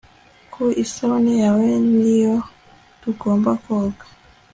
Ku isabune yawe niyo tugomba koga